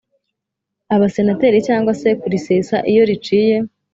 Abasenateri cyangwa se kurisesa iyo riciye